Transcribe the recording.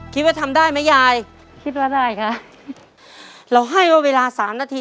คิดว่าทำได้ไหมยายคิดว่าได้ค่ะเราให้ว่าเวลาสามนาที